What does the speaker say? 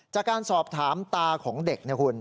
จากการสอบถามตาของเด็กนะคุณ